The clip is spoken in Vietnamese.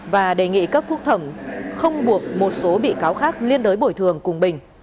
và đề nghị cấp phúc thẩm không buộc một số bị cáo khác liên đối bồi thường cùng bình